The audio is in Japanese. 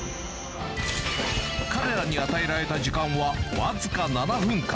彼らに与えられた時間は僅か７分間。